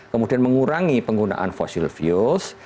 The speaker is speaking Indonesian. kemudian mengurangi penggunaan fosil fuels